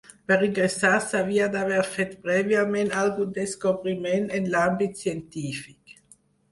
Per ingressar s'havia d'haver fet prèviament algun descobriment en l'àmbit científic.